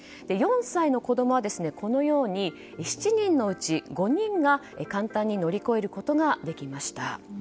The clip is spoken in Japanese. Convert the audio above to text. ４歳の子供はこのように、７人のうち５人が簡単に乗り越えることができました。